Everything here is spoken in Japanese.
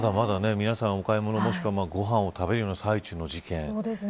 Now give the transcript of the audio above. まだまだ皆さんお買物、もしくはご飯を食べるような最中の事件。